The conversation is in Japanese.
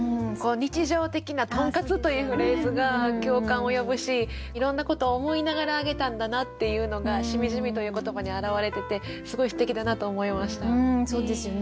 日常的な「とんかつ」というフレーズが共感を呼ぶしいろんなことを思いながら揚げたんだなっていうのが「しみじみ」という言葉に表れててすごいすてきだなと思いました。